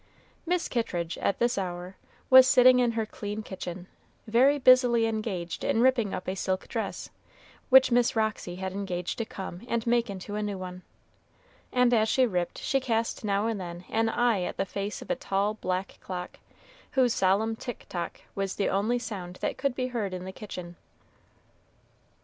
Mrs. Kittridge, at this hour, was sitting in her clean kitchen, very busily engaged in ripping up a silk dress, which Miss Roxy had engaged to come and make into a new one; and, as she ripped, she cast now and then an eye at the face of a tall, black clock, whose solemn tick tock was the only sound that could be heard in the kitchen.